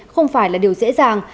không phải là điều dễ dàng